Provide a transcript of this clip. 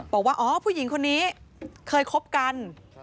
บอกว่าอ๋อผู้หญิงคนนี้เคยคบกัน